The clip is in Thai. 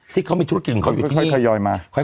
ที่เขามีธุรกิจของเขาอยู่ที่ทยอยมา